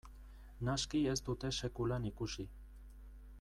Naski ez dute sekulan ikusi.